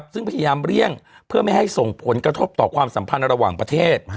ซึ่งพยายามเลี่ยงเพื่อไม่ให้ส่งผลกระทบต่อความสัมพันธ์ระหว่างประเทศ